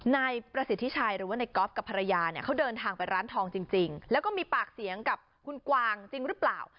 นายประสิทธิชัยหรือว่าในก๊อฟกับภรรยาเนี่ยเขาเดินทางไปร้านทองจริงแล้วก็มีปากเสียงกับคุณกวางจริงหรือเปล่า